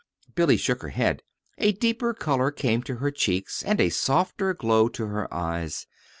Billy shook her head. A deeper color came to her cheeks, and a softer glow to her eyes.